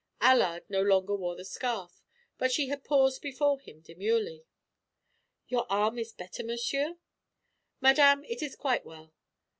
Allard no longer wore the scarf, but she had paused before him demurely. "Your arm is better, monsieur?" "Madame, it is quite well."